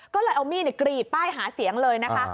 ก็เลยเอามีดกรีดป้ายหาเสียงเลยนะคะ